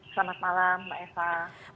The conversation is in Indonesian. selamat malam mbak esa